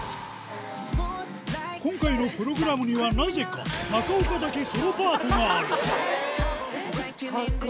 今回のプログラムには、なぜか、中岡だけソロパートがある。